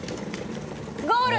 ゴール！